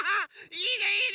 いいねいいね！